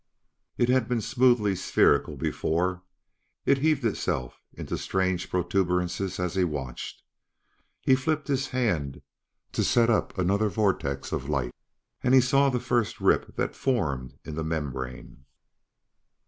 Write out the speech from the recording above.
It had been smoothly spherical before; it heaved itself into strange protuberances as he watched. He flipped his hand to set up another vortex of light, and he saw the first rip that formed in the membrane.